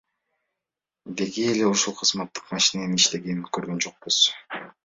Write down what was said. Деги эле ошол кызматтык машиненин иштегенин көргөн жокпуз.